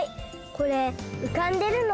これうかんでるの？